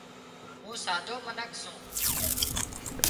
مون سادرو منک سُون